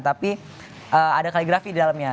tapi ada kaligrafi di dalamnya